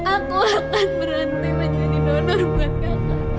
aku akan berhenti menjadi donor buat kamu